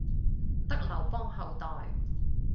得劉邦後代